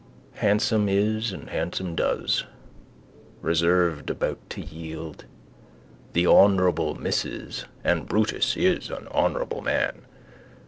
Handsome is and handsome does. Reserved about to yield. The honourable Mrs and Brutus is an honourable man.